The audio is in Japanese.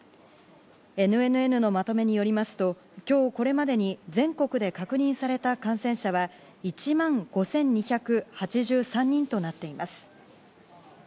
ＮＮＮのまとめによりますと今日これまでに全国で確認された感染者は１万５２８３人となっています。